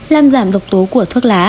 làm giảm độc tố của thuốc lá